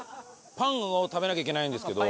パンを食べなきゃいけないんですけど。